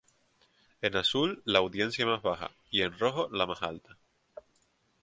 En Azul la audiencia más baja y en rojo la más alta.